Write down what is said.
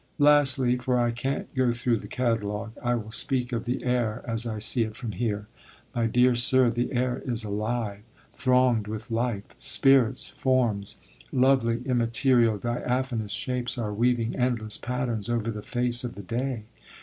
Lastly for I can't go through the catalogue I will speak of the air as I see it from here. My dear sir, the air is alive, thronged with life. Spirits, forms, lovely immaterial diaphanous shapes, are weaving endless patterns over the face of the day.